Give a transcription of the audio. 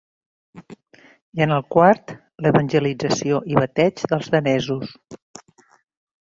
I en el quart, l'evangelització i bateig dels danesos.